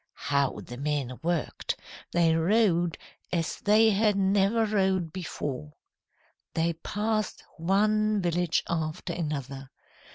"How the men worked! They rowed as they had never rowed before. "They passed one village after another.